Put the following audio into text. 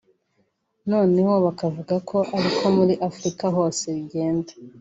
noneho bakavuga ko ari ko muri Afrika hose bigenda